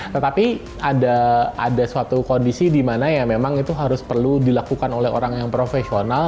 tetapi ada suatu kondisi dimana ya memang itu harus perlu dilakukan oleh orang yang profesional